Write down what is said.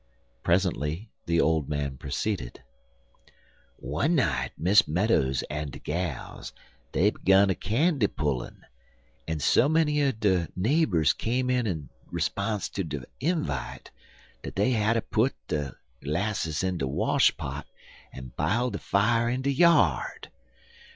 Presently the old man proceeded: "One night Miss Meadows en de gals dey gun a candy pullin', en so many er de nabers come in 'sponse ter de invite dat dey hatter put de 'lasses in de wash pot en b'il' de fier in de yard.